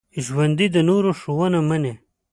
ژوندي د نورو ښوونه مني